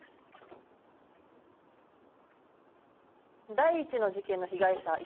第一の事件の被害者衣